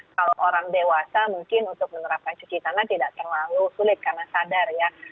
kalau orang dewasa mungkin untuk menerapkan cuci tangan tidak terlalu sulit karena sadar ya